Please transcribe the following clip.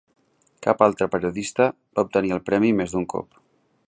Cap altre periodista va obtenir el premi més d'un cop.